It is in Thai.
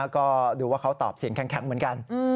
ก็ดูว่าเขาตอบเสียงแข็งเหมือนกัน